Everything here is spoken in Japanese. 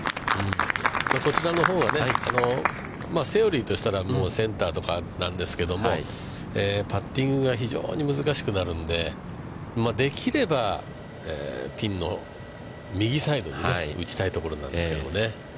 こちらのほうがね、セオリーとしたらセンターとかなんですけども、パッティングが非常に難しくなるのでできればピンの右サイドにね、打ちたいところなんですけどもね。